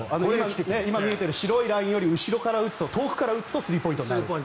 今見えている白いラインから後ろから打つとスリーポイントになると。